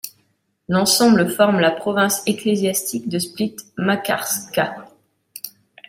L'ensemble forme la province ecclésiastique de Split-Makarska.